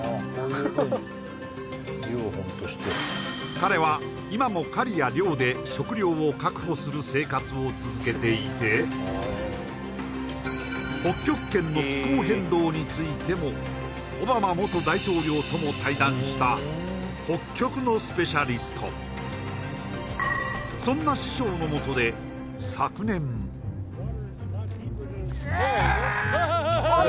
彼は今もする生活を続けていて北極圏の気候変動についてもオバマ元大統領とも対談した北極のスペシャリストそんな師匠のもとでイエー！